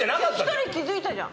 １人、気づいたじゃん！